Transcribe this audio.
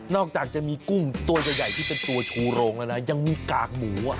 จากจะมีกุ้งตัวใหญ่ที่เป็นตัวชูโรงแล้วนะยังมีกากหมูอ่ะ